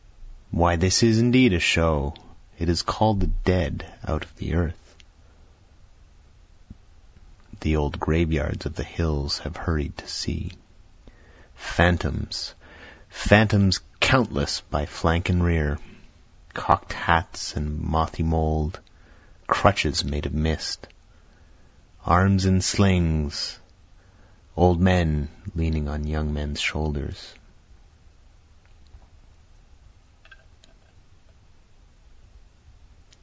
Why this is indeed a show it has called the dead out of the earth! The old graveyards of the hills have hurried to see! Phantoms! phantoms countless by flank and rear! Cock'd hats of mothy mould crutches made of mist! Arms in slings old men leaning on young men's shoulders.